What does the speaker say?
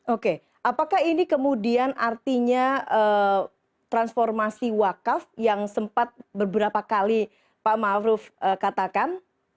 oke apakah ini kemudian artinya transformasi wakaf yang sempat beberapa kali pak ma'ruf katakan